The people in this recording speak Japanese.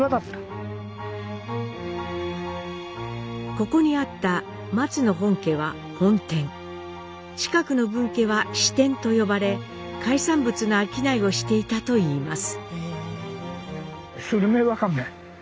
ここにあった松野本家は本店近くの分家は支店と呼ばれ海産物の商いをしていたといいます。